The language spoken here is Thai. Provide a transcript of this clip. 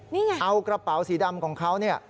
นี่ไงเอากระเป๋าสีดำของเขาเนี่ย